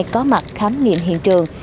có mặt khám nghiệm hiện trường